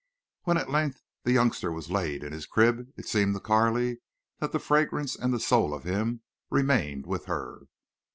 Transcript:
When at length the youngster was laid in his crib it seemed to Carley that the fragrance and the soul of him remained with her.